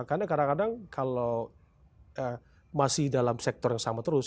karena kadang kadang kalau masih dalam sektor yang sama terus